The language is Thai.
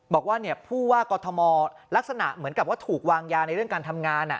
บอกว่าคุณว่ากอทมลักษณะเหมือนกับทุกวางยาในการทำงาน